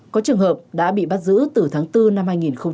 có trường hợp đã bị bắt giữ từ tháng bốn năm hai nghìn một mươi chín